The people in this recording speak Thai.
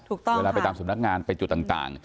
เวลาไปตามสำนักงานไปจุดต่าง